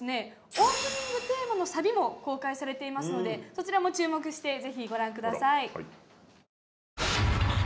オープニングテーマのサビも公開されていますのでそちらも注目してぜひご覧ください。